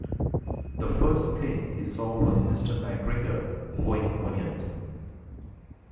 The first thing he saw was Mr McGregor hoeing onions.